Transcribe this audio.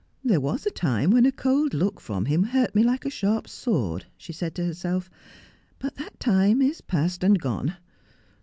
' There was a time when a cold look from him hurt me like a sharp sword,' she said to herself. 'But that time is past and gone.